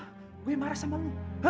gak boleh marah sama elu